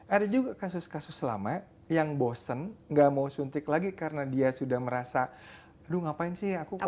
ada juga kasus kasus lama yang bosen gak mau suntik lagi karena dia sudah merasa aduh ngapain sih aku